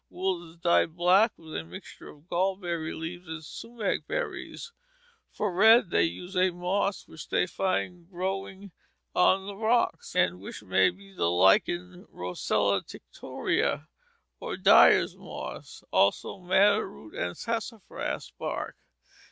Wool is dyed black with a mixture of gall berry leaves and sumac berries; for red they use a moss which they find growing on the rocks, and which may be the lichen Roccella tinctoria or dyer's moss; also madder root, and sassafras bark.